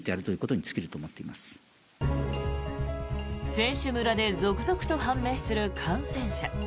選手村で続々と判明する感染者。